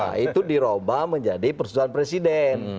nah itu dirobah menjadi persoalan presiden